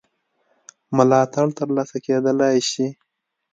م ترلاسه کېدلای شي